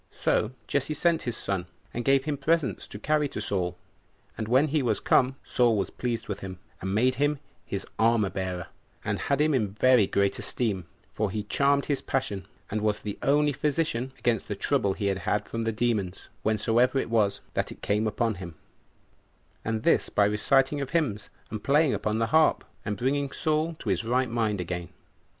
So Jesse sent his son, and gave him presents to carry to Saul. And when he was come, Saul was pleased with him, and made him his armor bearer, and had him in very great esteem; for he charmed his passion, and was the only physician against the trouble he had from the demons, whensoever it was that it came upon him, and this by reciting of hymns, and playing upon the harp, and bringing Saul to his right mind again.